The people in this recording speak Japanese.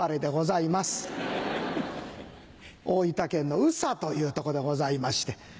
大分県の宇佐というとこでございまして。